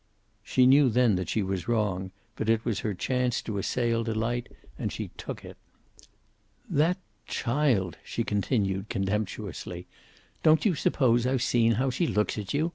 She knew then that she was wrong, but it was her chance to assail Delight and she took it. "That child!" she continued contemptuously. "Don't you suppose I've seen how she looks at you?